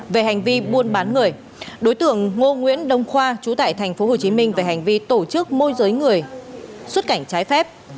về hành vi buôn bán người đối tượng ngô nguyễn đông khoa chú tại thành phố hồ chí minh về hành vi tổ chức môi giới người xuất cảnh trái phép